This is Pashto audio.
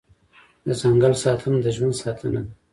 د ځنګل ساتنه د ژوند ساتنه ده